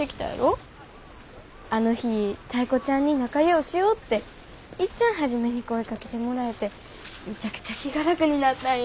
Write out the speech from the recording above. あの日タイ子ちゃんに仲ようしようっていっちゃん初めに声かけてもらえてむちゃくちゃ気が楽になったんよ。